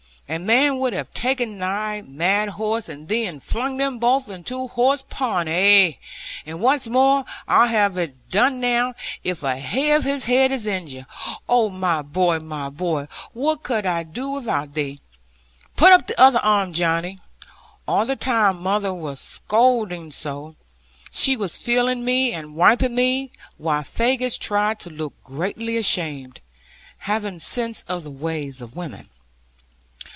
A man would have taken thy mad horse and thee, and flung them both into horse pond ay, and what's more, I'll have it done now, if a hair of his head is injured. Oh, my boy, my boy! What could I do without thee? Put up the other arm, Johnny.' All the time mother was scolding so, she was feeling me, and wiping me; while Faggus tried to look greatly ashamed, having sense of the ways of women.